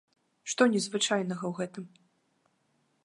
Што незвычайнага ў гэтым.